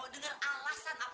orang belum bayar